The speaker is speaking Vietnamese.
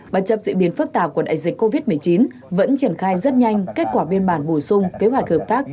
và chấp dị biến phức tạp của đại dịch covid một mươi chín vẫn triển khai rất nhanh kết quả biên bản bổ sung kế hoạch hợp tác